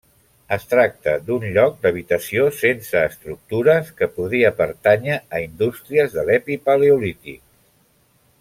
Es tracta d'un lloc d'habitació sense estructures que podria pertànyer a indústries de l'epipaleolític.